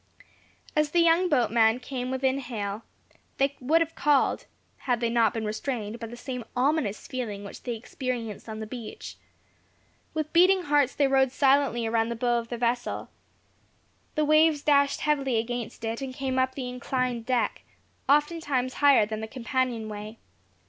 As the young boatmen came within hail they would have called, had they not been restrained by the same ominous feeling which they experienced on the beach. With beating hearts they rowed silently around the bow of the vessel. The waves dashed heavily against it, and came up the inclined deck, oftentimes higher than the companion way.